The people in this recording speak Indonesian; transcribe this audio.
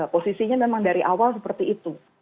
posisinya memang dari awal seperti itu